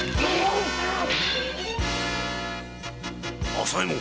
朝右衛門！